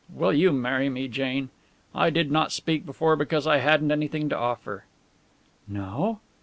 Will you marry me, Jane? I did not speak before, because I hadn't anything to offer." "No?"